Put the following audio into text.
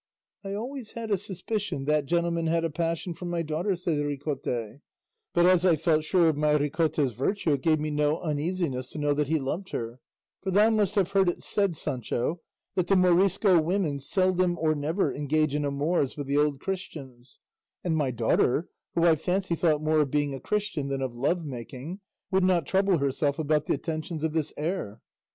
"I always had a suspicion that gentleman had a passion for my daughter," said Ricote; "but as I felt sure of my Ricota's virtue it gave me no uneasiness to know that he loved her; for thou must have heard it said, Sancho, that the Morisco women seldom or never engage in amours with the old Christians; and my daughter, who I fancy thought more of being a Christian than of lovemaking, would not trouble herself about the attentions of this heir."